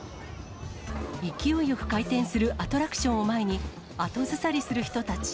勢いよく回転するアトラクションを前に、後ずさりする人たち。